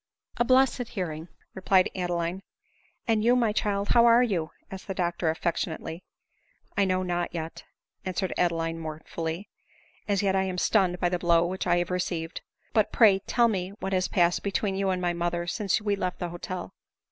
" A blessed hearing !" replied Adeline. " And you, my child, how are you ?" asked the doctor affectionately. " I know not yet," answered Adeline mournfully ;" as yet I am stunned by the blow which I have received ; but pray tell me what has passed between you and my mother since we left the hotel."